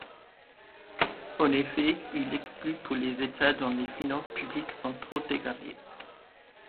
En effet, il l’exclut pour les États dont les finances publiques sont trop dégradées.